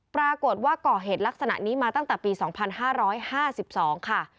ปรากฏว่าก่อเหตุลักษณะนี้มาตั้งแต่ปี๒๕๕๒ค่ะ